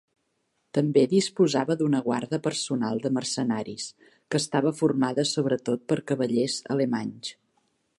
També disposava d'una guarda personal de mercenaris, que estava formada sobretot per cavallers alemanys.